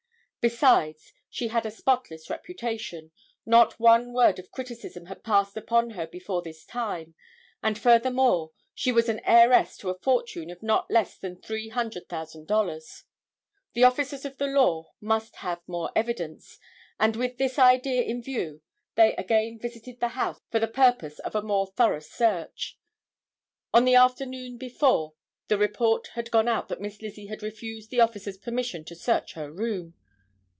Besides, she had a spotless reputation, not one word of criticism had passed upon her before this time; and, furthermore, she was an heiress to a fortune of not less than $300,000. The officers of the law must have more evidence, and with this idea in view they again visited the house for the purpose of a more thorough search. On the afternoon before the report had gone out that Miss Lizzie had refused the officers permission to search her room.